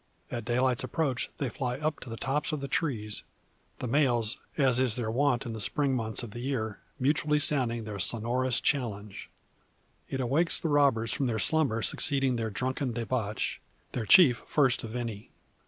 At daylight's approach, they fly up to the tops of the trees; the males, as is their wont in the spring months of the year, mutually sounding their sonorous challenge. It awakes the robbers from the slumber succeeding their drunken debauch; their chief first of any.